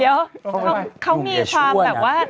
เดี๋ยวเขามีความแบบว่า